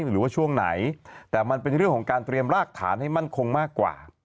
หรือว่าช่วงไหนแต่มันเป็นเรื่องของการเตรียมรากฐานให้มั่นคงมากกว่า